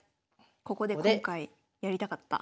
ここで今回やりたかった。